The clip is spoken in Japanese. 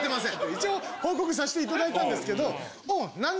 一応報告させていただいたんですけど。